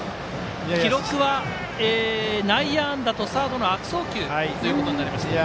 記録は内野安打とサードの悪送球ということになりました。